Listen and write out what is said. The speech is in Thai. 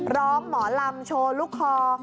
ร้องหมอลำโชว์ลูกคอ